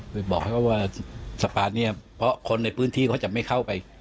ไปบอกให้เขาว่าสะพานนี้เพราะคนในพื้นที่เขาจะไม่เข้าไป